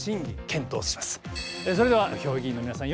それでは評議員の皆さん